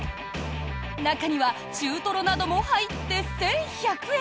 中には中トロなども入って１１００円。